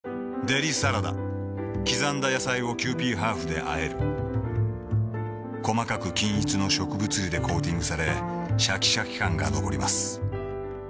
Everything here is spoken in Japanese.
デリサラダ刻んだ野菜をキユーピーハーフであえる細かく均一の植物油でコーティングされシャキシャキ感が残ります